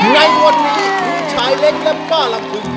ในวันนี้คุณชายเล็กและป้าลำพึง